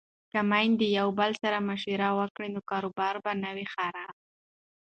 که میندې یو بل سره مشوره وکړي نو کار به نه وي خراب.